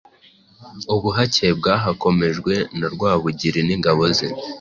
ubuhake bwahakomejwe na Rwabugiri n'ingabo ze.